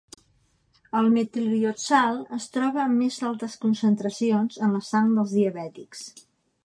El metilglioxal es troba en més altes concentracions en la sang dels diabètics.